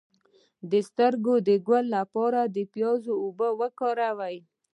د سترګو د ګل لپاره د پیاز اوبه وکاروئ